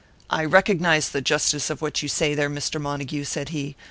"I recognise the justice of what you say there, Mr. Montague," said he.